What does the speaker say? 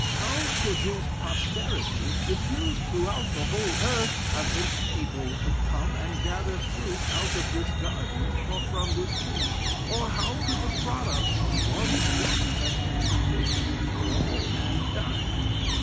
how could his posterity, diffused throughout the whole earth, have been able to come and gather fruit out of this garden, or from this tree? or how could the product of one tree have been sufficient for all mankind?"